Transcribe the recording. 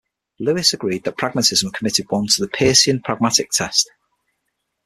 Lewis agreed that pragmatism committed one to the Peircean pragmatic test.